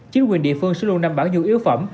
chính quyền địa phương sẽ luôn đảm bảo nhu yếu phẩm